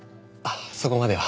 そこまでは。